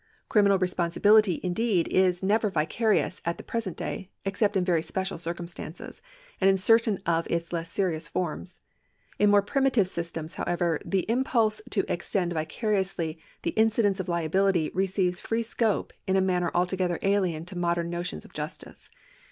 Criminal responsibility, indeed, is never vicarious at the present day, except in very special circumstances and in certain of its less serious forms. ^ In more primitive systems, however, the impulse to extend vicariously the incidence of liability receives free scope in a manner altogether alien to modern notions of justice.